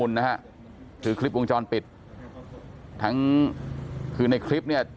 เมื่อการทำคลิปกรุงจรปิดคือในคลิปเนี่ย